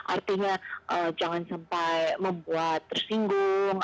artinya jangan sampai membuat tersinggung